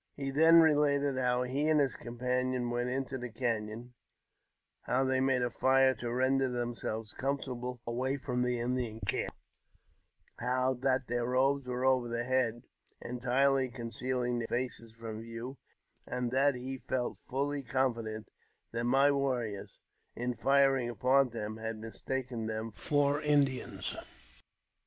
He then related how he and his companion went into the canon, and how they made a fire to render themselves com fortable away from the Indian camp ; how that their robes were over their heads, entirely concealing their faces from view, and that he felt fully confident that my warriors, in firing on them, had mistaken them for Indians.